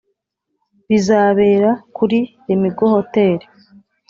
bizabera kuri Lemigo Hotel